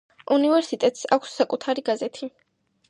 უნივერსიტეტს აქვს საკუთარი გაზეთი.